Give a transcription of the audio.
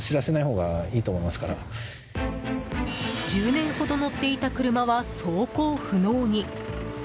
１０年ほど乗っていた車は走行不能に。